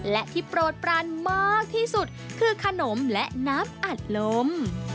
และที่โปรดปรานมากที่สุดคือขนมและน้ำอัดลม